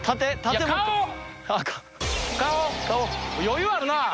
余裕あるなぁ。